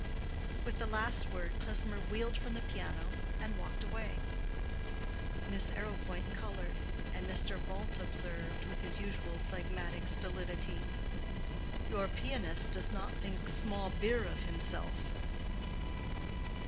With the last word Klesmer wheeled from the piano and walked away. Miss Arrowpoint colored, and Mr. Bult observed, with his usual phlegmatic stolidity, "Your pianist does not think small beer of himself."